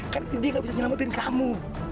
karena dia gak bisa menyelamatin kamu